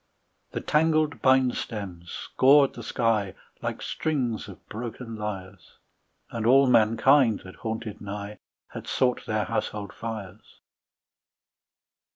The tangled bine stems scored the sky Like strings of broken lyres, And all mankind that haunted nigh Had sought their household fires.